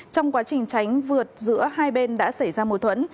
trong quá trình tránh vượt giữa hai bên đã xảy ra mối thuẫn